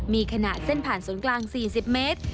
มีขนาดเส้นผ่านศูนย์กลาง๔๐เมตร